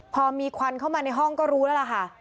พอมีควันเข้ามาในห้องก็รู้แล้วล่ะค่ะ